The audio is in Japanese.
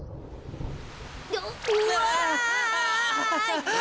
うわ！